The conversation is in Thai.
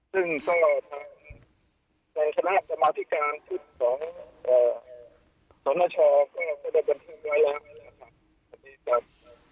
ซึ่งก็แผนคราสมภิการชุดของสดช้อนก็รับการทำไว้แล้วนะครับ